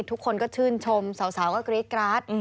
ทุกคนก็ชื่นชมเสาก็คลิ๊กกรัส